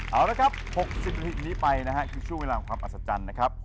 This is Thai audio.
เอาละครับ๖๐นาทีนี้ไปนะฮะคือช่วงเวลาของความอัศจรรย์นะครับ